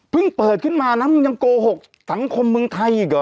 เปิดขึ้นมานะมึงยังโกหกสังคมเมืองไทยอีกเหรอ